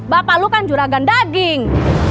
bapak lu kan juragan daging